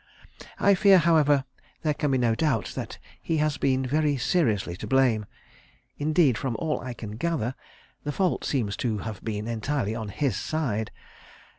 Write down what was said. I fear, however, there can be no doubt that he has been very seriously to blame; indeed, from all I can gather, the fault seems to have been entirely on his side.